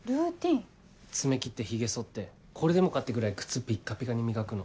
爪切ってヒゲそってこれでもかってぐらい靴ピッカピカに磨くの。